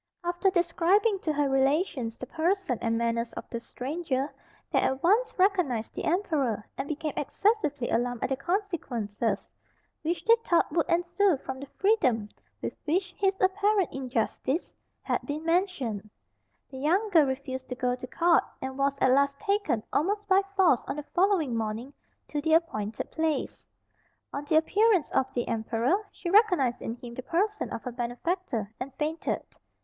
After describing to her relations the person and manners of the stranger, they at once recognised the emperor,[Pg 59] and became excessively alarmed at the consequences which they thought would ensue from the freedom with which his apparent injustice had been mentioned. The young girl refused to go to court, and was at last taken, almost by force, on the following morning, to the appointed place. On the appearance of the emperor she recognised in him the person of her benefactor, and fainted.